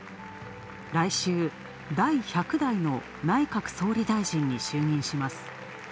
来週、第１００代の内閣総理大臣に就任します。